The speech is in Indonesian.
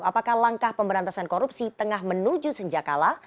apakah langkah pemberantasan korupsi tengah menuju senjakala